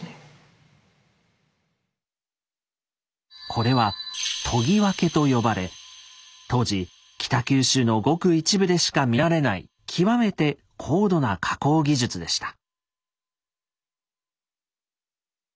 これは「研ぎ分け」と呼ばれ当時北九州のごく一部でしか見られない極めて高度な加工技術でした。